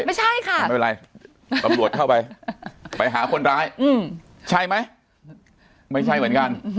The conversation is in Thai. ไม่ใช่ค่ะไม่เป็นไรตำรวจเข้าไปไปหาคนร้ายใช่ไหมไม่ใช่เหมือนกัน